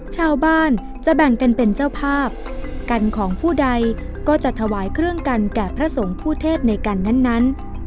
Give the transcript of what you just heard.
ชาวบ้านจะแบ่งกันเป็นเจ้าภาพกันของผู้ใดก็จะถวายเครื่องกันแก่พระสงฆ์ผู้เทศในกันนั้น